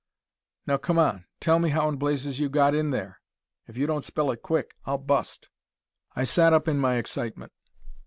"Now come on, tell me how in blazes you got in there. If you don't spill it quick, I'll bust." I sat up in my excitement.